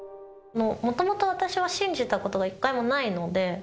もともと私は信じたことが一回もないので。